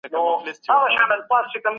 تجارانو مخکي بازار پراخ کړی و.